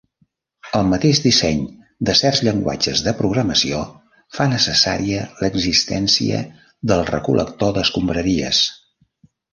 El mateix disseny de certs llenguatges de programació fa necessària l'existència del recol·lector d'escombraries.